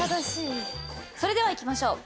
それではいきましょう。